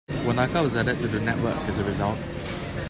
Wanaka was added to the network as a result.